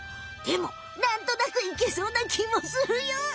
でもなんとなくいけそうなきもするよ！